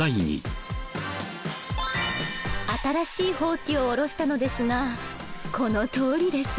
新しいホウキを下ろしたのですがこの通りです。